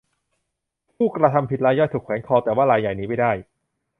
ผู้กระทำผิดรายย่อยถูกแขวนคอ แต่ว่ารายใหญ่หนีไปได้